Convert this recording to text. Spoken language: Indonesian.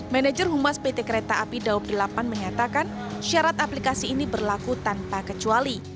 manager humas pt kereta api daob delapan menyatakan syarat aplikasi ini berlaku tanpa kecuali